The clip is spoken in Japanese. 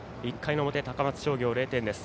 １回の表、高松商業０点です。